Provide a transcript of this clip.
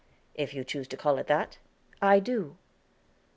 "If you choose to call it that." "I do."